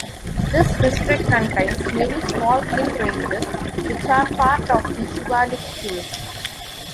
This district contains many small hill ranges which are part of the Shivalik Hills.